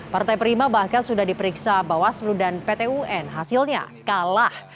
partai prima bahkan sudah diperiksa bawaslu dan pt un hasilnya kalah